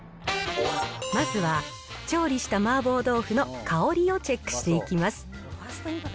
まずは、調理した麻婆豆腐の香りをチェックしていきます。